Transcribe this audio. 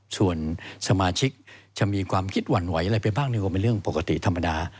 ส่วนสมาชิกจะมีความคิดหวั่นไหวอะไรไปบ้างหนึ่งก็เป็นเรื่องปกติธรรมดา